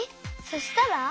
そしたら？